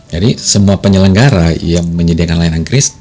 semua penyelenggara yang menyediakan layanan kris